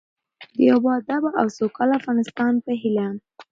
د یو باادبه او سوکاله افغانستان په هیله.